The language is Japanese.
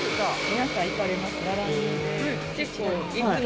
皆さん行かれます、並んで。